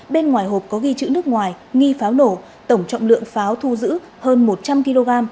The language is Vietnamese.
bên ngoài hộp có ghi chữ nước ngoài nghi pháo nổ tổng trọng lượng pháo thu giữ hơn một trăm linh kg